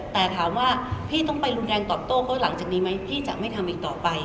แต่ถามว่าพี่ต้องไปรุนแรงตอบโต้เขาหลังจากนี้ไหมพี่จะไม่ทำอีกต่อไป